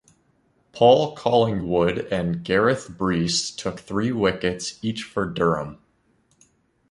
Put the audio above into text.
Paul Collingwood and Gareth Breese took three wickets each for Durham.